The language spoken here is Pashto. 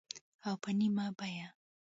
او په نیمه بیه